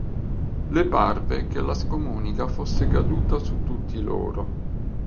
Le parve che la scomunica fosse caduta su tutti loro.